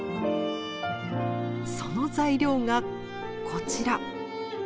その材料がこちら。